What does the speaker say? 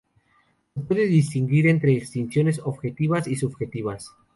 Se puede distinguir entre exenciones objetivas y subjetivas.